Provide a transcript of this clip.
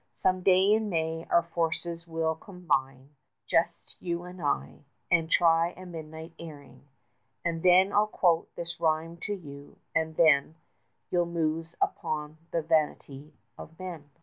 Some day in May our forces we'll combine 85 (Just you and I), and try a midnight airing, And then I'll quote this rhyme to you and then You'll muse upon the vanity of men!